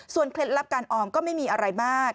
เคล็ดลับการออมก็ไม่มีอะไรมาก